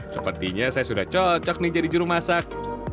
sepertinya saya sudah cocok nih jadi jurumasak